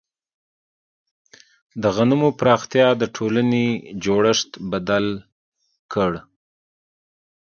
د غنمو پراختیا د ټولنې جوړښت بدل کړ.